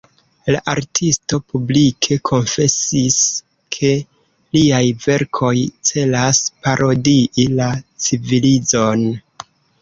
La artisto publike konfesis, ke liaj verkoj celas parodii la civilizon.